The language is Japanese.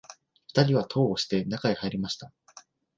二人は戸を押して、中へ入りました